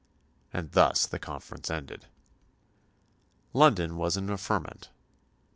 And thus the conference ended. London was in a ferment.